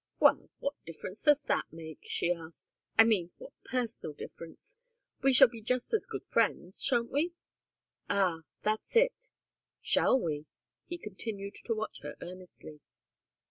"Well what difference does that make?" she asked. "I mean, what personal difference? We shall be just as good friends, shan't we?" "Ah that's it! Shall we?" He continued to watch her earnestly.